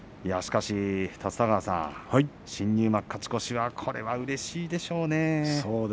立田川さん、新入幕勝ち越しはこれは、うれしいでしょうね。